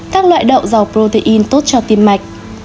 các loại đậu giàu protein tốt cho tim mạch